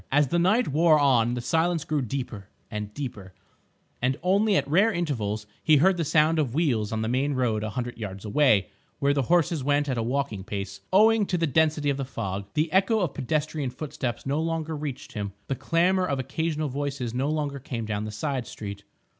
As the night wore on the silence grew deeper and deeper, and only at rare intervals he heard the sound of wheels on the main road a hundred yards away, where the horses went at a walking pace owing to the density of the fog. The echo of pedestrian footsteps no longer reached him, the clamour of occasional voices no longer came down the side street.